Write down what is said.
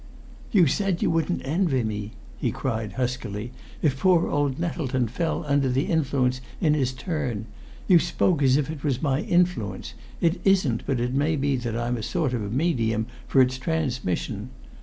"You said you wouldn't envy me," he cried, huskily, "if poor old Nettleton fell under the influence in his turn. You spoke as if it was my influence; it isn't, but it may be that I'm a sort of medium for its transmission!